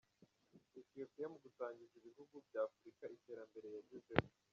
Ethiopia mu gusangiza ibihugu bya Afurika iterambere yagezeho.